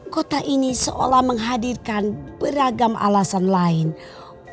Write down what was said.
kota ini seolah menghadirkan beragam alasan lain